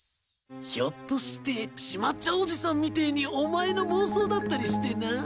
ひょっとしてしまっちゃうおじさんみてえにお前の妄想だったりしてな。